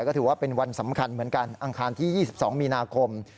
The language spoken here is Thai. ก็ถือว่าเป็นวันสำคัญเหมือนกันอังคารที่๒๒มีนาคม